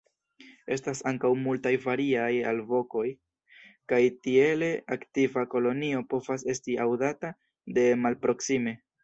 Estas ankaŭ multaj variaj alvokoj, kaj tiele aktiva kolonio povas esti aŭdata de malproksime.